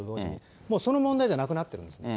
もうその問題じゃなくなってますね。